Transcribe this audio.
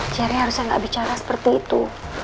caranya harusnya nggak bicara seperti itu